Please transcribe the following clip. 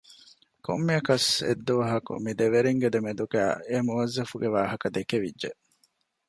ކޮންމެއަކަސް އެއްދުވަހަކު މި ދެ ވެރިންގެ ދެމެދުގައި އެ މުވައްޒަފުގެ ވާހަކަ ދެކެވިއްޖެ